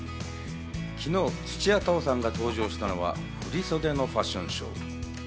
昨日、土屋太鳳さんが登場したのは、振袖のファッションショー。